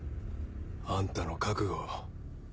あんたの覚悟を。